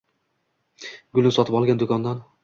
Gulni sotib olgan do‘kondan.